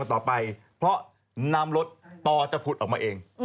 ต่อไปเพราะน้ำรถต่อจะผุดออกมาเอง